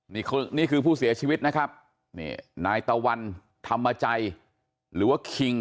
นี่คือผู้เสียชีวิตนะครับนี่นายตะวันธรรมจัยหรือว่าคิง